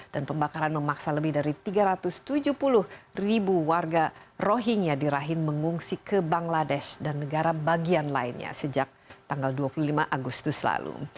dan pembakaran memaksa lebih dari tiga ratus tujuh puluh ribu warga rohingya di rahim mengungsi ke bangladesh dan negara bagian lainnya sejak tanggal dua puluh lima agustus lalu